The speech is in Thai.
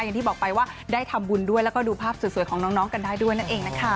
อย่างที่บอกไปว่าได้ทำบุญด้วยแล้วก็ดูภาพสวยของน้องกันได้ด้วยนั่นเองนะคะ